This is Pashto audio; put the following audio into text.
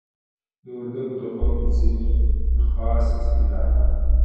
د وردګو د قوم ځینی خاص اصتلاحات